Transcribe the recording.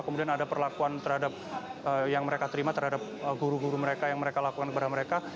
kemudian ada perlakuan terhadap yang mereka terima terhadap guru guru mereka yang mereka lakukan kepada mereka